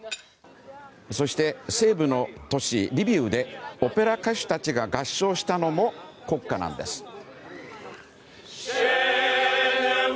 そして、西部の都市リビウでオペラ歌手たちが合唱したのも国歌なんです。